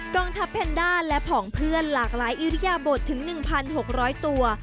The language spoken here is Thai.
องทัพแพนด้าและผองเพื่อนหลากหลายอิริยบทถึง๑๖๐๐ตัว